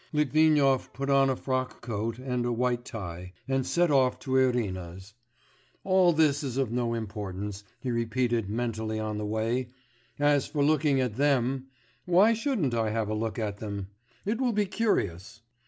Litvinov put on a frock coat and a white tie, and set off to Irina's. 'All this is of no importance,' he repeated mentally on the way, 'as for looking at them ... why shouldn't I have a look at them? It will be curious.